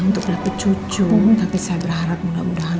untuk dapat cucu tapi saya berharap mudah mudahan